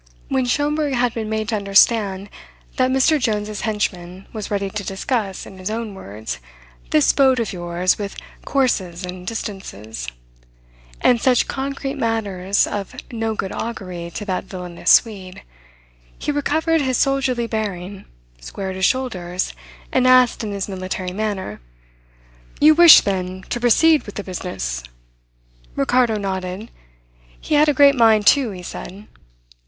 When Schomberg had been made to understand that Mr. Jones's henchman was ready to discuss, in his own words, "this boat of yours, with courses and distances," and such concrete matters of no good augury to that villainous Swede, he recovered his soldierly bearing, squared his shoulders, and asked in his military manner: "You wish, then, to proceed with the business?" Ricardo nodded. He had a great mind to, he said.